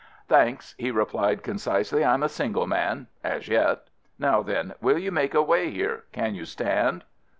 "Thanks," he replied concisely. "I'm a single man. As yet. Now then, will you make a way there? Can you stand?"